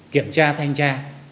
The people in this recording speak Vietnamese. kiểm tra thanh tra